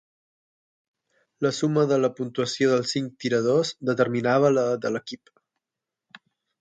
La suma de la puntuació dels cinc tiradors determinava la de l'equip.